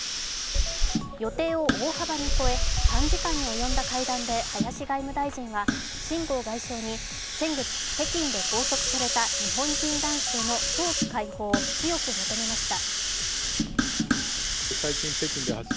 予定を大幅に超え、３時間に及んだ会談で林外務大臣は、秦剛外相に先月、北京で拘束された日本人男性の早期解放を強く求めました。